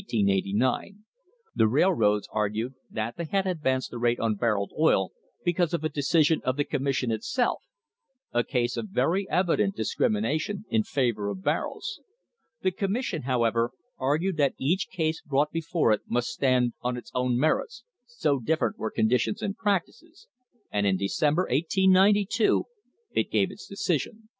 The railroads argued that they had advanced the rate on barrelled oil because of a decision of the Commission itself a case of very evident dis crimination in favour of barrels. The Commission, however, argued that each case brought before it must stand on its own merits, so different were conditions and practices, and in December, 1892, it gave its decision.